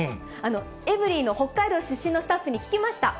エブリィの北海道出身のスタッフに聞きました。